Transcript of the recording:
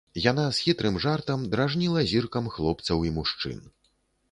Яна з хітрым жартам дражніла зіркам хлопцаў і мужчын.